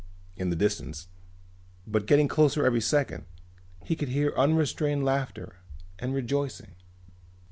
In the distance, but getting closer every second, he could hear unrestrained laughter and rejoicing.